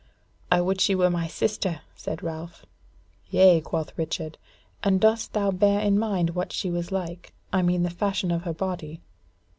"I would she were my sister!" said Ralph. "Yea," quoth Richard, "and dost thou bear in mind what she was like? I mean the fashion of her body."